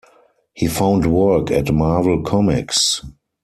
He found work at Marvel Comics.